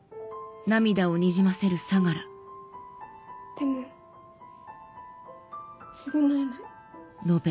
でも償えない。